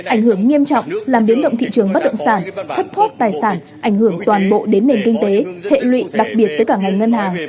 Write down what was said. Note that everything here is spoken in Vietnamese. ảnh hưởng nghiêm trọng làm biến động thị trường bất động sản thất thoát tài sản ảnh hưởng toàn bộ đến nền kinh tế hệ lụy đặc biệt tới cả ngành ngân hàng